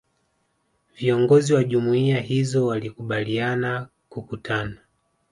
Viongozi wa Jumuiya hizo walikubaliana kukutana